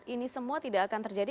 ini semua tidak akan terjadi